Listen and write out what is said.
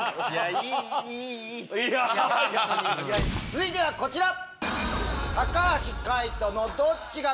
続いてはこちら！